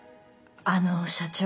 あの社長